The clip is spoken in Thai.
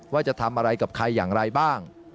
ว่าจะทำอะไรกับใครอย่างไรบ้าง